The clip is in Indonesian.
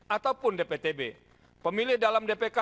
ataupun dptb pemilih dalam dpk